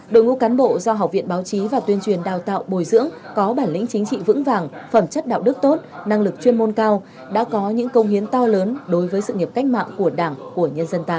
đội ngũ cán bộ do học viện báo chí và tuyên truyền đào tạo bồi dưỡng có bản lĩnh chính trị vững vàng phẩm chất đạo đức tốt năng lực chuyên môn cao đã có những công hiến to lớn đối với sự nghiệp cách mạng của đảng của nhân dân ta